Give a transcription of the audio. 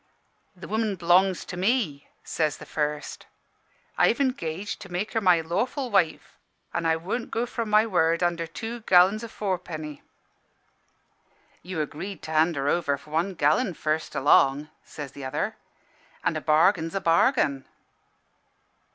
"'The woman b'longs to me,' says the first. 'I've engaged to make her my lawful wife; an' I won't go from my word under two gallon o' fourpenny.' "'You agreed to hand her over for one gallon, first along,' says t'other,' an' a bargain's a bargain.'